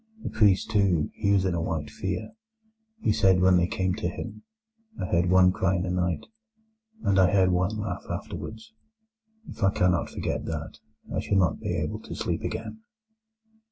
The priest, too, he was in a white fear. He said when they came to him: "'I heard one cry in the night, and I heard one laugh afterwards. If I cannot forget that, I shall not be able to sleep again.